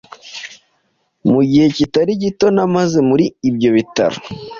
Mu gihe kitari gito namaze muri ibyo bitaro